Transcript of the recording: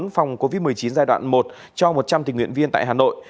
phòng covid một mươi chín giai đoạn một cho một trăm linh tình nguyện viên tại hà nội